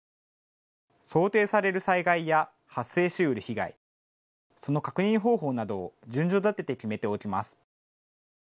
想定される災害や発生しうる被害、その確認方法などを順序立てて決めておきます。